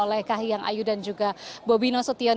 saya kah yang ayu dan juga bobino sotion